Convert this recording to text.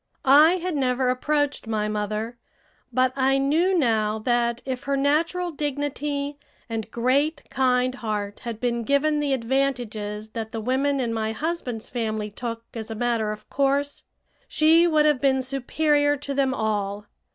I had never approached my mother, but I knew now that if her natural dignity and great, kind heart had been given the advantages that the women in my husband's family took as a matter of course, she would have been superior to them all.